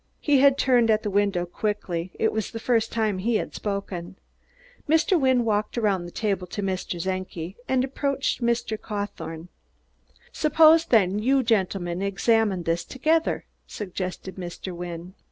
He had turned at the window quickly; it was the first time he had spoken. Mr. Wynne walked around the table to Mr. Czenki, and Mr. Cawthorne approached them. "Suppose, then, you gentlemen examine this together," suggested Mr. Wynne.